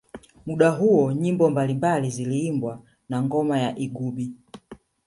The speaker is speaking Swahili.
Muda huo nyimbo mbalimbali zikiimbwa na ngoma ya igubi